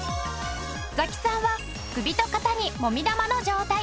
ザキさんは首と肩にもみ玉の状態。